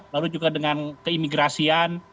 lalu juga dengan keimigrasian